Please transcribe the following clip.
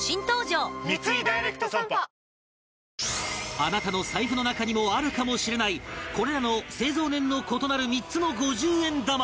あなたの財布の中にもあるかもしれないこれらの製造年の異なる３つの５０円玉